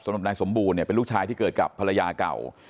นายสมบูรณ์เนี่ยเป็นลูกชายที่เกิดกับภรรยาเก่า